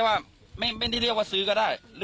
ท่านพรุ่งนี้ไม่แน่ครับ